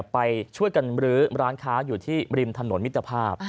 ไปช่วยกันรื้อร้านค้าอยู่ที่ริมถนนมิตรภาพ